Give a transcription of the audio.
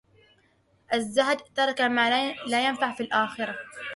الزهد ترك ما لا ينفع في الآخرة.